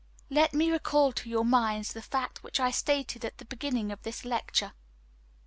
Let me recall to your minds the fact which I stated at the beginning of this lecture.